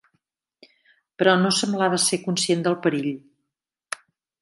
Però, no semblava ser conscient del perill.